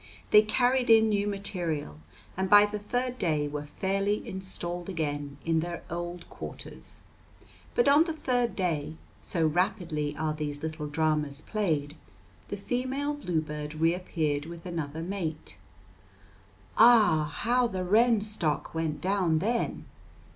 They carried in new material, and by the third day were fairly installed again in their old quarters; but on the third day, so rapidly are these little dramas played, the female bluebird reappeared with another mate. Ah! how the wren stock went down then!